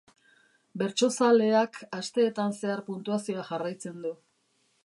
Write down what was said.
Bertsozaleak asteetan zehar puntuazioa jarraitzen du.